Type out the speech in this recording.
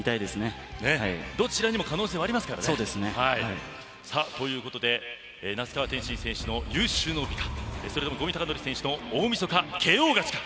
どちらにも可能性はありますからね。ということで那須川天心選手の有終の美かそれとも五味隆典選手の大みそか、ＫＯ勝ちか。